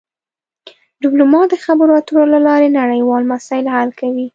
ډیپلومات د خبرو اترو له لارې نړیوال مسایل حل کوي